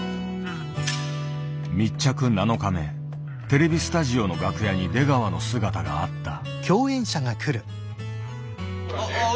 テレビスタジオの楽屋に出川の姿があった。